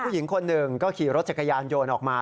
ผู้หญิงคนหนึ่งก็ขี่รถจักรยานโยนออกมา